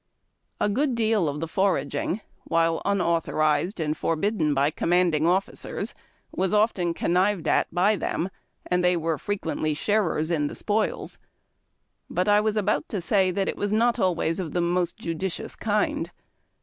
A good deal of the foraging, while unauthorized and for bidden by commanding officers, was often connived at by them, and they were frequently sharers in the spoils ; but I was about to say that it was not always of the most judicious kind.